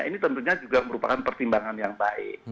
ini tentunya juga merupakan pertimbangan yang baik